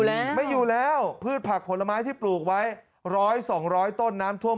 แล้วไม่อยู่แล้วพืชผักผลไม้ที่ปลูกไว้ร้อยสองร้อยต้นน้ำท่วม